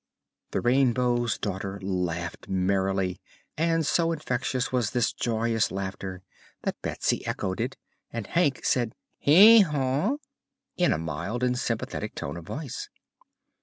The Rainbow's Daughter laughed merrily, and so infectious was this joyous laugh that Betsy echoed it and Hank said "Hee haw!" in a mild and sympathetic tone of voice.